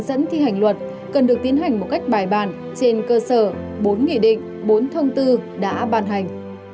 dẫn thi hành luật cần được tiến hành một cách bài bàn trên cơ sở bốn nghị định bốn thông tư đã ban hành